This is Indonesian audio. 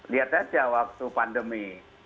lihat saja waktu pandemi